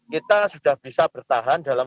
kita sudah bisa bertahan dalam